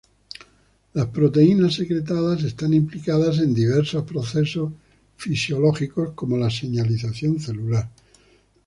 Las proteínas secretadas están implicadas en diversos procesos fisiológicos como la señalización celular.